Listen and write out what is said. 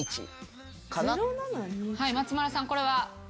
松丸さんこれは？